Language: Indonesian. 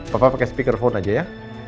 papa pakai speakerphone aja ya